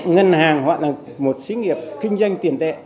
ngân hàng họ là một sĩ nghiệp kinh doanh tiền tệ